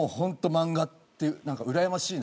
漫画ってうらやましいなって。